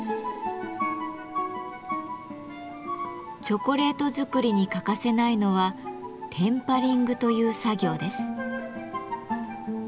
チョコレート作りに欠かせないのは「テンパリング」という作業です。